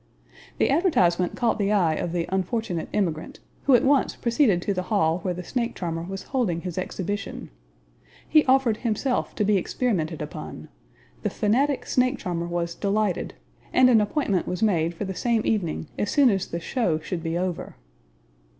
The advertisement caught the eye of the unfortunate emigrant, who at once proceeded to the hall where the snake charmer was holding his exhibition. He offered himself to be experimented upon; the fanatic snake charmer was delighted, and an appointment was made for the same evening as soon as the "show" should be over.